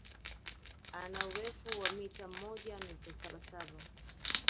Ana urefu wa mita moja nukta saba saba